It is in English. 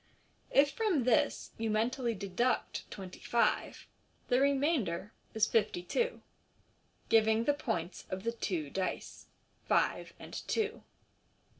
If from this you mentally deduct twenty five the remainder is fifty two, giving the points of the two dice — five and two.